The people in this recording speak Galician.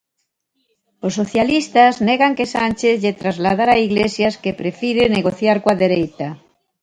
Os socialistas negan que Sánchez lle trasladara a Iglesias que prefire negociar coa dereita.